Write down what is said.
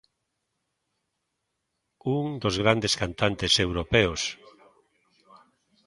Un dos grandes cantantes europeos.